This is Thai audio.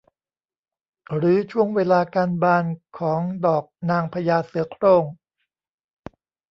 หรือช่วงเวลาการบานของดอกนางพญาเสือโคร่ง